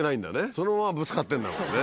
そのままぶつかってんだもんね。